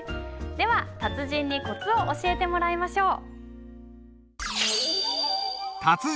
では達人にコツを教えてもらいましょう。